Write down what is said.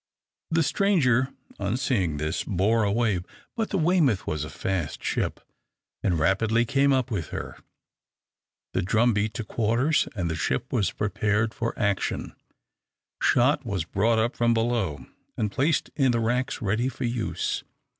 The stranger, on seeing this, bore away, but the "Weymouth" was a fast ship, and rapidly came up with her. The drum beat to quarters, and the ship was prepared for action. Shot were brought up from below and placed in the racks ready for use.